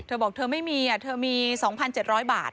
เธอบอกเธอไม่มีเธอมี๒๗๐๐บาท